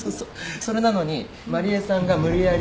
それなのに麻理恵さんが無理やり。